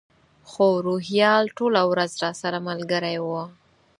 خو روهیال ټوله ورځ راسره ملګری و.